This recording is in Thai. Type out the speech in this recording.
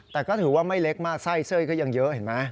แต่ก็ถือว่าไม่เล็กมากไส้เสื้อก็ยังเยอะเห็นไหม